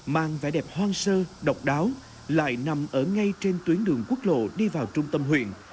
mang vẻ đẹp hoang sơ độc đáo lại nằm ở ngay trên tuyến đường quốc lộ đi vào trung tâm huyện